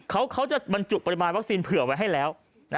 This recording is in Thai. เขาจะบรรจุปริมาณวัคซีนเผื่อไว้ให้แล้ว